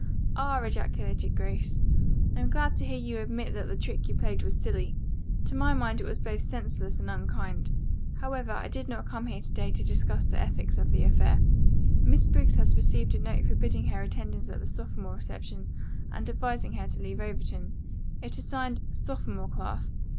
"Ah!" ejaculated Grace. "I am glad to hear you admit that the trick you played was silly. To my mind it was both senseless and unkind. However, I did not come here to day to discuss the ethics of the affair. Miss Briggs has received a note forbidding her attendance at the sophomore reception and advising her to leave Overton. It is signed 'Sophomore Class.'